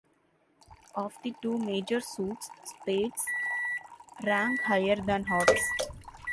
Of the two major suits, spades rank higher than hearts.